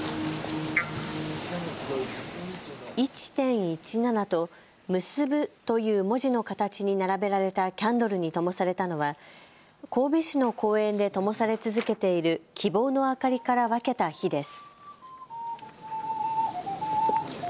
１．１７とムスブという文字の形に並べられたキャンドルにともされたのは神戸市の公園でともされ続けている希望の灯りから分けた火です。